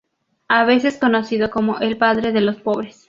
A veces conocido como el "padre de los pobres".